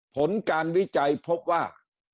ผลการวิจัยพบว่า